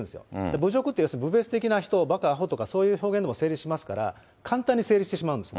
侮辱って、いわゆる侮蔑的な、ばか、あほとかいうそういう表現でも成立しますから、簡単に成立してしまうんです。